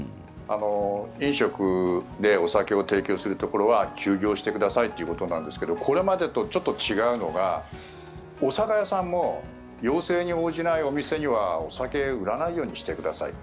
飲食でお酒を提供するところは休業してくださいということなんですがこれまでとちょっと違うのはお酒屋さんも要請に応じないお店にはお酒を売らないようにしてくださいと。